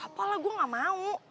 apalah gue gak mau